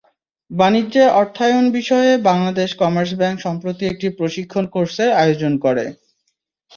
বাণিজ্যে অর্থায়ন বিষয়ে বাংলাদেশ কমার্স ব্যাংক সম্প্রতি একটি প্রশিক্ষণ কোর্সের আয়োজন করে।